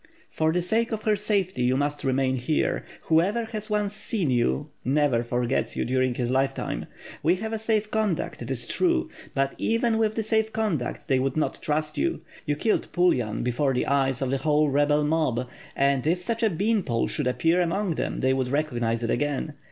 "For the sake of her safety, you must remain here. Who ever has once seen you never forgets you during his life time. We have a safe conduct, it is true; but, even with the safe conduct they would not trust you. You killed Pulyan before the eyes of the whole rebel mob, and if such a bean pole should appear among them, they would recognize it again.